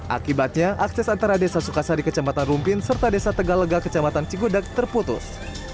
akibatnya akses antara desa sukasari kecamatan rumpin serta desa tegalega kecamatan cikudak terputus